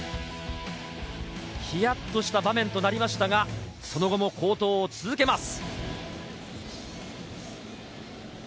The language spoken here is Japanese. ヒヤっとした場面となりましたが、その後も好投を続けます。